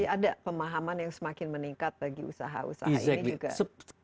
ada pemahaman yang semakin meningkat bagi usaha usaha ini juga